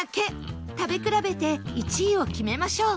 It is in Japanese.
食べ比べて１位を決めましょう